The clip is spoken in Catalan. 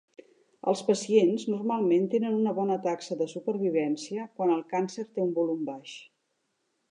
Els pacients normalment tenen una bona taxa de supervivència quan el càncer té un volum baix.